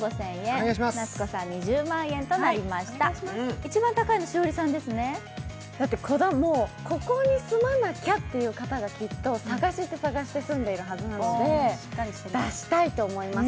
一番高いの、栞里さんですねだって、ここに住まなきゃという方がきっと探して探して住んでるはずなので出したいと思います。